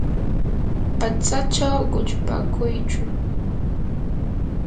patsachaw quchpakuychu.